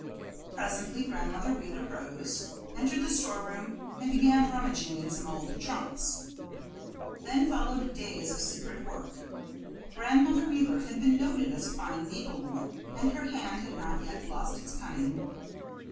Presently Grandmother Wheeler rose, entered the storeroom, and began rummaging in some old trunks. Then followed days of secret work. Grandmother Wheeler had been noted as a fine needlewoman, and her hand had not yet lost its cunning.